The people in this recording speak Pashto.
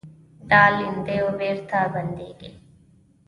دا لیندیو بېرته بندېږي.